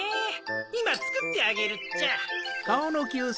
いまつくってあげるっちゃ。